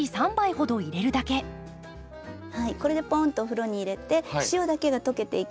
これでポーンとお風呂に入れて塩だけが溶けていきます。